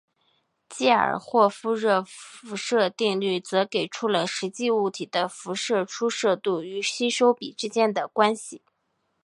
基尔霍夫热辐射定律则给出了实际物体的辐射出射度与吸收比之间的关系。